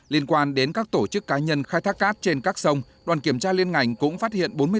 liên quan đến các tổ chức cá nhân khai thác cát trên các sông đoàn kiểm tra liên ngành cũng phát hiện